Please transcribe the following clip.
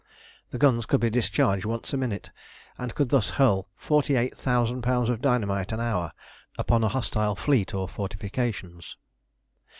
The guns could be discharged once a minute, and could thus hurl 48,000 lbs. of dynamite an hour upon a hostile fleet or fortifications.